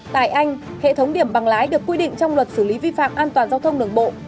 tại anh hệ thống điểm bằng lái được quy định trong luật xử lý vi phạm an toàn giao thông đường bộ